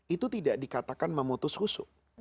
itu tidak dikatakan memutus husu